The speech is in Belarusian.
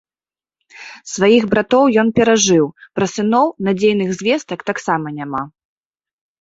Сваіх братоў ён перажыў, пра сыноў надзейных звестак таксама няма.